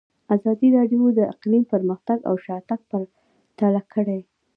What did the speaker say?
ازادي راډیو د اقلیم پرمختګ او شاتګ پرتله کړی.